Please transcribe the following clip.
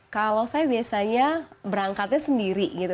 kalau saya biasanya berangkatnya sendiri gitu